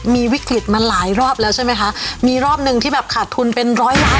มีวิกฤตมาหลายรอบแล้วใช่ไหมคะมีรอบหนึ่งที่แบบขาดทุนเป็นร้อยล้าน